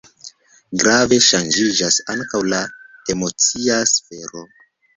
Grave ŝanĝiĝas ankaŭ la emocia sfero.